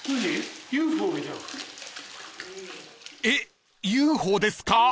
［えっＵＦＯですか？］